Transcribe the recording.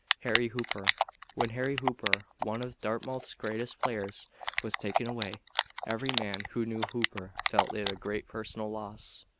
Harry Hooper When Henry Hooper, one of Dartmouth's greatest players, was taken away, every man who knew Hooper felt it a great personal loss.